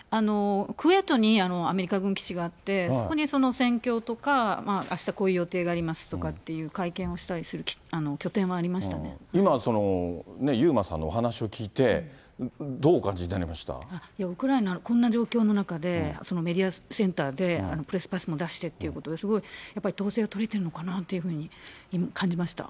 クウェートにアメリカ軍基地があって、そこに戦況とかあしたこういう予定がありますとかっていう会見を今、遊馬さんのお話を聞いて、ウクライナ、こんな状況の中で、メディアセンターで、プレスパスも出してということで、すごいやっぱり統制が取れてるのかなっていうふうに感じました。